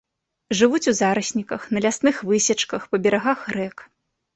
Жывуць у зарасніках, на лясных высечках, па берагах рэк.